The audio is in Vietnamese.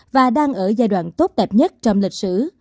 và đang ở giai đoạn tốt đẹp nhất trong lịch sử